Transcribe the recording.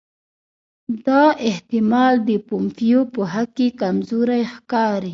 دا احتمال د پومپیو په حق کې کمزوری ښکاري.